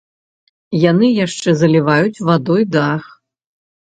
Яны яшчэ заліваюць вадой дах.